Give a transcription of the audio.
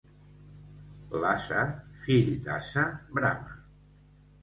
L'ase, fill d'ase, brama.